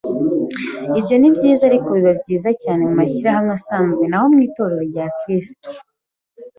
ibyo ni byiza ariko biba byiza cyane mu mashyirahamwe asanzwe, naho mu Itorero rya Kirisitu